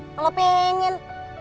aku gak pengen